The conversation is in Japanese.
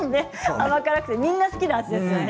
甘辛くてみんな好きな味ですよね。